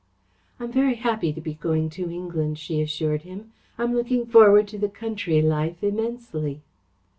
"I am very happy to be going to England," she assured him. "I am looking forward to the country life immensely."